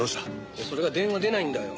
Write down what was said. いやそれが電話出ないんだよ。